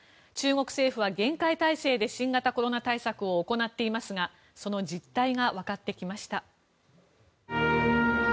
中国政府は厳戒態勢で新型コロナ対策を行っていますがその実態がわかってきました。